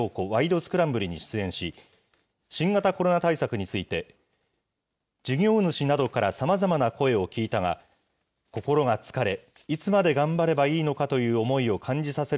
スクランブルに出演し、新型コロナ対策について、事業主などからさまざまな声を聞いたが、心が疲れ、いつまで頑張ればいいのかという思いを感じさせる